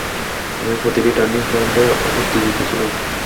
আমি প্রতিটি টার্নিং পয়েন্টে উত্তেজিত ছিলাম।